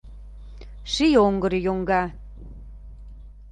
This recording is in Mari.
Ший оҥгыр йоҥга…